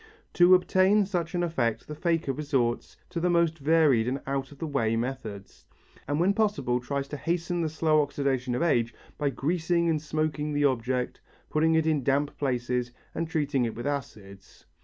To obtain such an effect the faker resorts to the most varied and out of the way methods, and when possible tries to hasten the slow oxidation of age by greasing and smoking the object, putting it in damp places and treating it with acids.